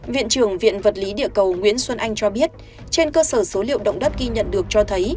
viện trưởng viện vật lý địa cầu nguyễn xuân anh cho biết trên cơ sở số liệu động đất ghi nhận được cho thấy